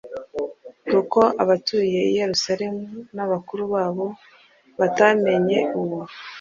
Kuko abatuye i Yerusalemu n’abakuru babo batamenye uwo,